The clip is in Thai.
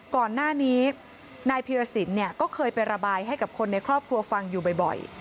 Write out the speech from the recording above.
ก่อนหน้านี้นายพีรสินก็เคยไประบายให้กับคนในครอบครัวฟังอยู่บ่อย